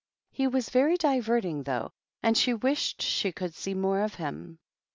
He was very diverting, though, and si wished she could see more of him.